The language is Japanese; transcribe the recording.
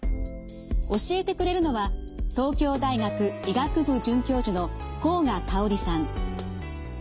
教えてくれるのは東京大学医学部准教授の甲賀かをりさん。